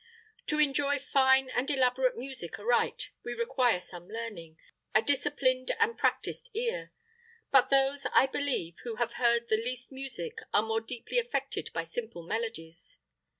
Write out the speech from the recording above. To enjoy fine and elaborate music aright, we require some learning, a disciplined and practiced ear; but those, I believe, who have heard the least music are more deeply affected by simple melodies.